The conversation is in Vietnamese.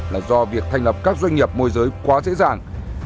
là do việc thành lập các doanh nghiệp môi giới quá dễ dàng